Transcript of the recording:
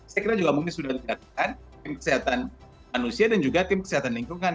saya kira juga mungkin sudah dilakukan tim kesehatan manusia dan juga tim kesehatan lingkungan